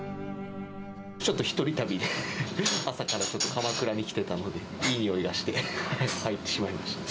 ちょっと一人旅で、朝からちょっと鎌倉に来てたので、いい匂いがして、入ってしまいました。